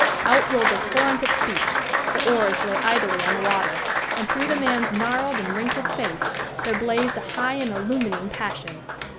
Out rolled a torrent of speech; the oars lay idly on the water; and through the man's gnarled and wrinkled face there blazed a high and illumining passion.